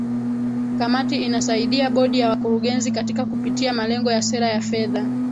kamati inasaidia bodi ya wakurugenzi katika kupitia malengo ya sera ya fedha